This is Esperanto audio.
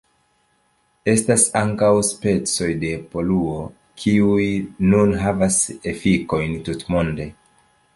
Estas ankaŭ specoj de poluo, kiuj nun havas efikojn tutmonde.